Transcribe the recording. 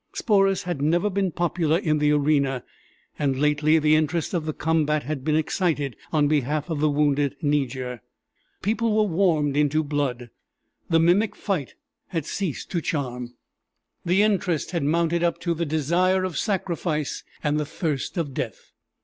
Sporus had never been popular in the arena; and lately the interest of the combat had been excited on behalf of the wounded Niger. The people were warmed into blood the mimic fight had ceased to charm; the interest had mounted up to the desire of sacrifice and the thirst of death!